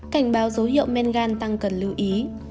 cảnh báo dấu hiệu men gan tăng cần lưu ý